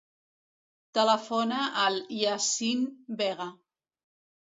Telefona al Yassin Vega.